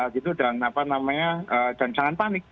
gitu dan apa namanya dan jangan panik